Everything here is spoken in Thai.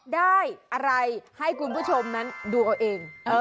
ได้อะไรให้คุณผู้ชมนั้นดูเอาเอง